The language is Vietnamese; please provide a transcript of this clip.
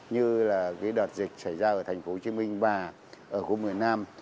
như là đợt dịch xảy ra ở thành phố hồ chí minh và ở khu miền nam